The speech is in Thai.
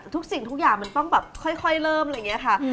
ทุกสิ่งทุกอย่างมันต้องแบบค่อยเริ่มอะไรอย่างนี้ค่ะ